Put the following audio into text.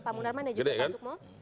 pak munarman dan juga pak sukmo